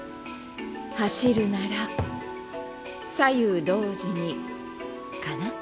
走るなら左右同時にかな。